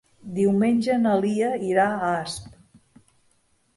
Diumenge na Lia irà a Asp.